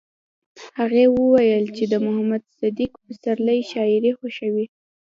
هغې وویل چې د محمد صدیق پسرلي شاعري خوښوي